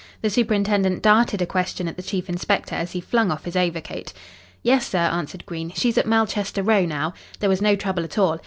The superintendent darted a question at the chief inspector as he flung off his overcoat. "Yes, sir," answered Green. "She's at Malchester Row now. There was no trouble at all.